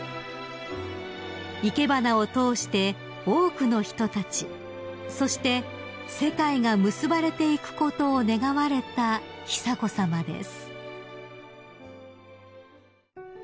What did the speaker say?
［生け花を通して多くの人たちそして世界が結ばれていくことを願われた久子さまです］